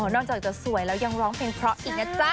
นอกจากจะสวยแล้วยังร้องเพลงเพราะอีกนะจ๊ะ